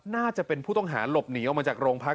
น่าจะเป็นผู้ต้องหาหลบหนีออกมาจากโรงพัก